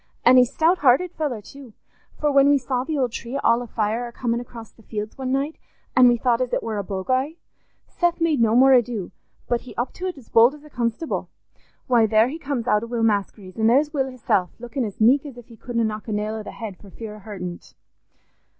An' he's a stout hearted feller too, for when we saw the old tree all afire a comin' across the fields one night, an' we thought as it war a boguy, Seth made no more ado, but he up to't as bold as a constable. Why, there he comes out o' Will Maskery's; an' there's Will hisself, lookin' as meek as if he couldna knock a nail o' the head for fear o' hurtin't.